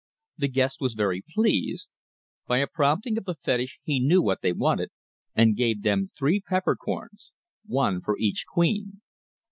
The guest was very pleased; by a prompting of the fetish he knew what they wanted, and gave them three peppercorns, one for each queen.